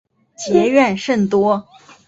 结怨甚多。